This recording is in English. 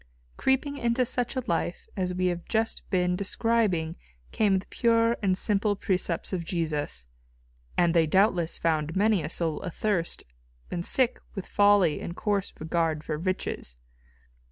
Creeping into such a life as we have just been describing came the pure and simple precepts of Jesus and they doubtless found many a soul athirst and sick with folly and coarse regard for riches.